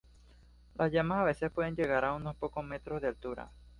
Las llamas a veces puede llegar a unos pocos metros de altura.